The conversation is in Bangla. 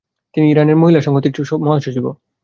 তিনি ইরানের মহিলা সংহতি সমিতির মহাসচিবও।